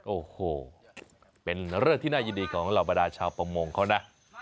โอ้โหเป็นเริ่มที่น่ายืดดีของระบดาชาวประมงเขานะ